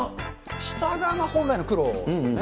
下が本来の黒ですよね。